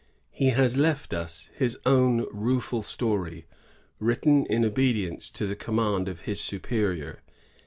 He has left us his own rueful story, written in obedience to the com mand of his superior.